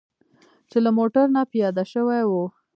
چې له موټر نه پیاده شوي وو.